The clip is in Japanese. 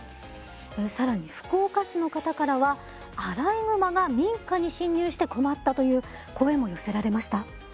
更に福岡市の方からはアライグマが民家に侵入して困ったという声も寄せられました。